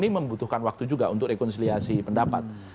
membutuhkan waktu juga untuk rekonsiliasi pendapat